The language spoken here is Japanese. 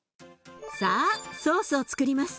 さあソースをつくります。